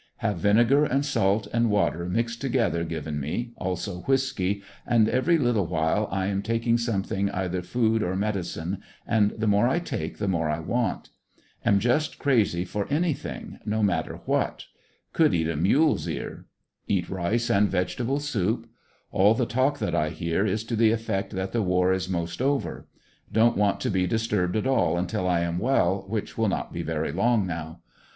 Have vinegar and salt and water mixed together given me, also whiskey, and every little while I am taking something, either food or medicine, and the more I take the more I want. Am just crazy for anything, no matter 1 00 ANDEBSONVILLE DIAE 7. what. Could eat a mule's ear. Eat rice and vegetable soup. All the talk that I hear is to the effect that the war is most over. Don't want to be disturbed at all until I am well, which will not be very long now.